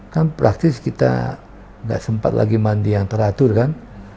kan praktis kita nggak sempat lagi mandi yang teratur kan